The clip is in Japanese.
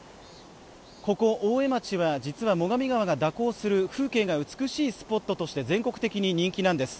ここ大江町は実は最上川が蛇行する風景が美しいスポットとして全国的に人気なんです